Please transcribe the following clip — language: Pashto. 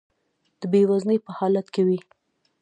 د بې وزنۍ په حالت کې وي.